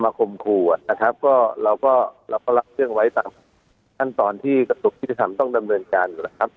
มาคมคู่นะครับก็เราก็รับเชื่อมไว้ตามขั้นตอนที่กระตุกศิษยธรรมต้องดำเนินการอยู่นะครับ